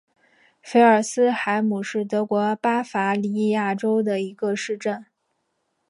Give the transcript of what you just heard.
菲尔斯海姆是德国巴伐利亚州的一个市镇。